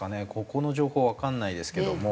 ここの情報はわからないですけども。